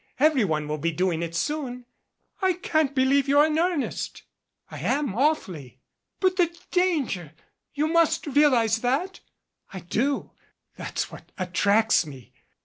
Every one will be doing it soon." "I can't believe that you're in earnest." "I am, awfully." "But the danger ! You must realize that !" "I do that's what attracts me."